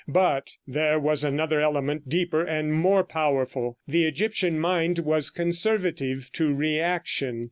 But there was another element deeper and more powerful. The Egyptian mind was conservative to reaction.